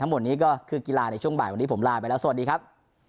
หมดนี้ก็คือกีฬาในช่วงบ่ายวันนี้ผมลาไปแล้วสวัสดีครับ